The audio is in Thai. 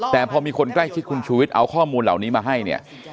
แต่พอมีคนใกล้ชิดคุณชูวิทย์เอาข้อมูลเหล่านี้มาให้เนี่ย